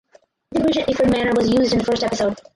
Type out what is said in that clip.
The bridge at Iford Manor was used in the first episode.